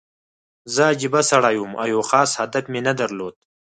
زه عجیبه سړی وم او یو خاص هدف مې نه درلود